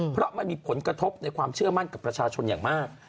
เพราะมันมีผลกระทบในความเชื่อมั่นกับประชาชนอย่างมาก